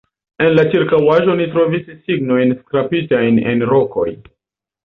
En la ĉirkaŭaĵo oni trovis signojn skrapitajn en rokoj.